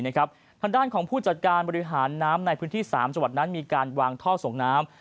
ทางด้านของผู้จัดการบริหารน้ำในพื้นที่๓จังหวัดนั้นมีการวางท่อส่งน้ำ